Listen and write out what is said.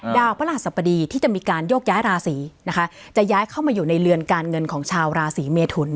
พระหัสบดีที่จะมีการโยกย้ายราศีนะคะจะย้ายเข้ามาอยู่ในเรือนการเงินของชาวราศีเมทุน